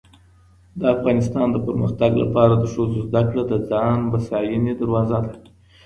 . د افغانستان د پرمختګ لپاره د ښځو زدهکړه د ځان بسیاینې دروازه ده